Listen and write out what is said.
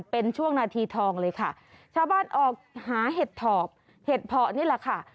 เป็นช่วงนาทีทองเลยค่ะชาวบ้านออกหาเห็ดถอบเห็ดเพาะนี่แหละค่ะ